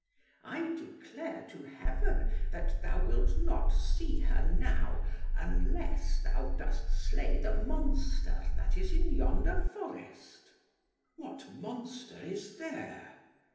"I declare to Heaven that thou wilt not see her now, unless thou dost slay the monster that is in yonder forest." "What monster is there?"